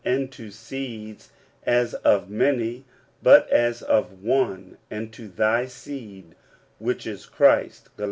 And to seeds ^ as of many ;> but as C^^ one. And to thy seed^ which is Christ" (Gal.